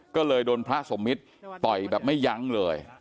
ก็เลยโดนพระสมมิตรต่อยแบบไม่ยั้งเลย